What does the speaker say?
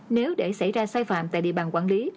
nếu để xảy ra sai phạm tại địa bàn quản lý